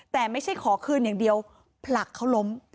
แต่ไม่ใช่ขอคืนอย่างเดียวผลักเขาล้ม